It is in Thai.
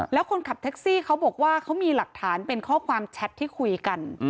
แล้วคนขับแท็กซี่เขาบอกว่าเขามีหลักฐานเป็นข้อความแชทที่คุยกัน